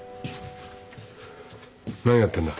何やってんだ。